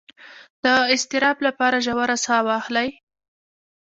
د اضطراب لپاره ژوره ساه واخلئ